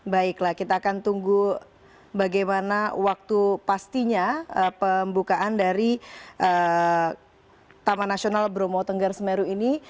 baiklah kita akan tunggu bagaimana waktu pastinya pembukaan dari taman nasional bromo tenggar semeru ini